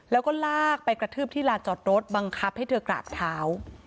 แล้วก็ลากไปกระทืบที่ลานจอดรถบังคับให้เธอกราบเท้า